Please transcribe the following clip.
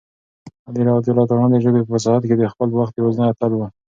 علي رض د ژبې په فصاحت کې د خپل وخت یوازینی اتل و.